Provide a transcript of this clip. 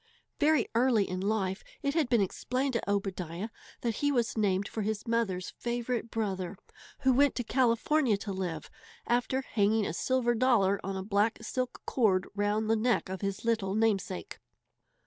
Very early in life it had been explained to Obadiah that he was named for his mother's favourite brother, who went to California to live, after hanging a silver dollar on a black silk cord round the neck of his little namesake.